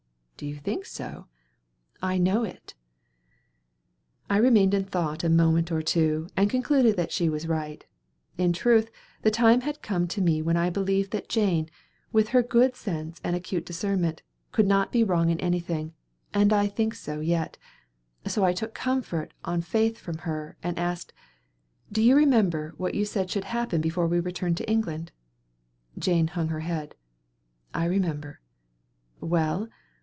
"Do you think so?" "I know it." I remained in thought a moment or two, and concluded that she was right. In truth, the time had come to me when I believed that Jane, with her good sense and acute discernment, could not be wrong in anything, and I think so yet. So I took comfort on faith from her, and asked: "Do you remember what you said should happen before we return to England?" Jane hung her head. "I remember." "Well?"